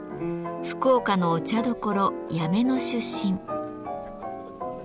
福岡のお茶どころ八女の出身。